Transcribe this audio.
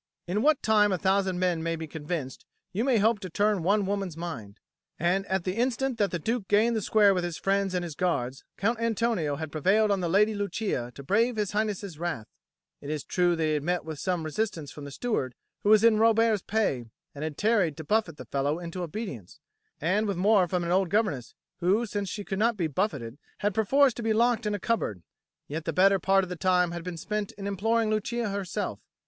In what time a thousand men may be convinced, you may hope to turn one woman's mind, and at the instant that the Duke gained the square with his friends and his guards, Count Antonio had prevailed on the Lady Lucia to brave His Highness's wrath. It is true that he had met with some resistance from the steward, who was in Robert's pay, and had tarried to buffet the fellow into obedience; and with more from an old governess, who, since she could not be buffeted, had perforce to be locked in a cupboard; yet the better part of the time had to be spent in imploring Lucia herself.